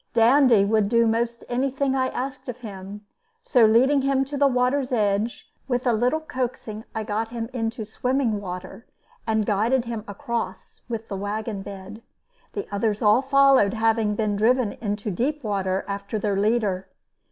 Dandy would do almost anything I asked of him; so, leading him to the water's edge, with a little coaxing I got him into swimming water and guided him across with the wagon bed. The others all followed, having been driven into deep water after the leader.